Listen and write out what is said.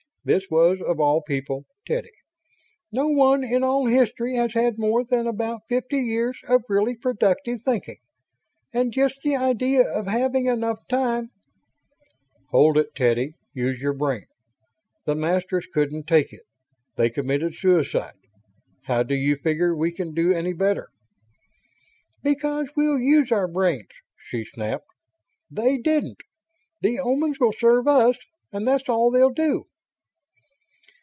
This was, of all people, Teddy! "No one in all history has had more than about fifty years of really productive thinking. And just the idea of having enough time ..." "Hold it, Teddy. Use your brain. The Masters couldn't take it they committed suicide. How do you figure we can do any better?" "Because we'll use our brains!" she snapped. "They didn't. The Omans will serve us; and that's all they'll do."